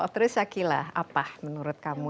terus shakila apa menurut kamu